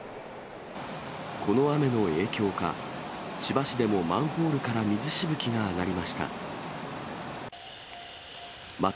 この雨の影響か、千葉市でもマンホールから水しぶきが上がりました。